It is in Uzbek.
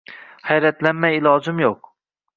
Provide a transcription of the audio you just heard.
Hayratlanmay ilojim yo’q!